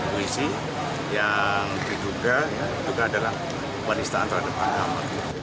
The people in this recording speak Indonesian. puisi yang diduga itu adalah penistaan terhadap agama